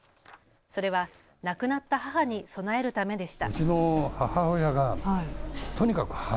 それは亡くなった母に供えるためでした。